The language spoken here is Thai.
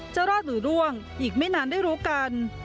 จะรอดหรือร่วงอีกไม่นานได้รู้กัน